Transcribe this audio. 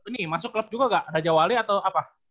nih masuk club juga gak raja wali atau apa